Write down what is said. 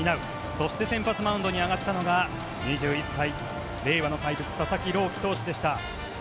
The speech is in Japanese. そして先発マウンドに上がったのが、２１歳令和の怪物佐々木朗希投手でした。